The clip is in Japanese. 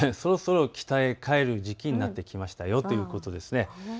そろそろ北へ帰る時期になってきましたよということです。